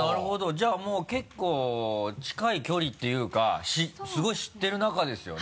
じゃあもう結構近い距離っていうかすごい知ってる仲ですよね。